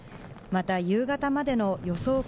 また、夕方までの予想